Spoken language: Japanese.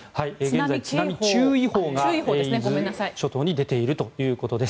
津波注意報が伊豆諸島に出ているということです。